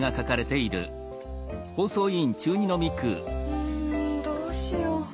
うんどうしよう。